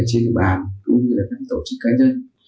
trên bàn cũng như tổ chức cá nhân